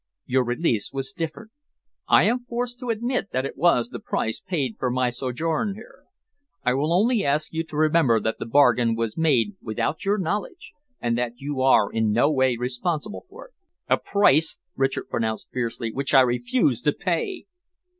Your release was different. I am forced to admit that it was the price paid for my sojourn here. I will only ask you to remember that the bargain was made without your knowledge, and that you are in no way responsible for it." "A price," Richard pronounced fiercely, "which I refuse to pay!"